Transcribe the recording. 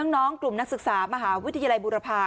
น้องกลุ่มนักศึกษามหาวิทยาลัยบุรพา